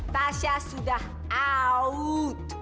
tasya sudah out